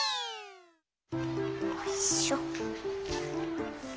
おいしょ。